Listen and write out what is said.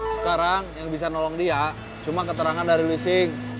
sekarang yang bisa nolong dia cuma keterangan dari leasing